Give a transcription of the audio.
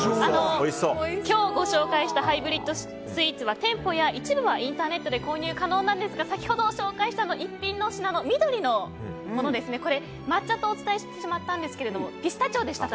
今日ご紹介したハイブリッドスイーツは店舗や一部はインターネットで購入可能なんですが先ほど紹介した逸品の品の緑のものですね、抹茶とお伝えしてしまったんですがピスタチオでした。